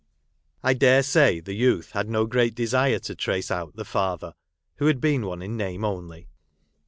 I dare say the youth had no great desire to trace out the father, who had been one in name only.